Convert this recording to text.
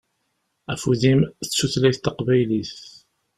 Afud-im d tutlayt taqbaylit.